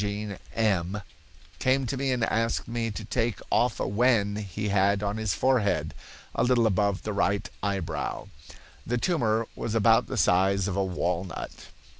came to me and asked me to take off a wen he had on his forehead, a little above the right eyebrow. The tumor was about the size of a walnut.